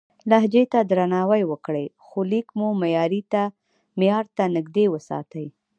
لهجې ته درناوی وکړئ، خو لیک مو معیار ته نږدې وساتئ.